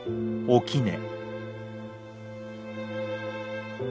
おきね。